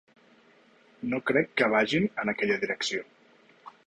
No crec que vagin en aquella direcció.